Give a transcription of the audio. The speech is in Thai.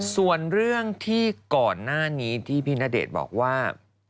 ส่วนเรื่องที่ก่อนหน้านี้ที่พี่ณเดชน์บอกว่า